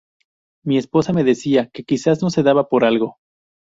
Mi esposa me decía que quizás no se daba por algo.